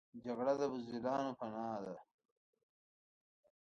جګړه د بزدلانو پناه ده